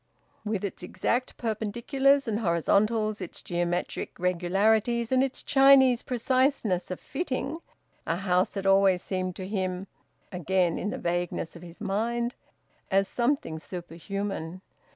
With its exact perpendiculars and horizontals, its geometric regularities, and its Chinese preciseness of fitting, a house had always seemed to him again in the vagueness of his mind as something superhuman.